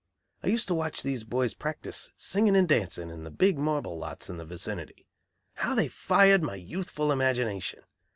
I used to watch these boys practice singing and dancing in the big marble lots in the vicinity. How they fired my youthful imagination!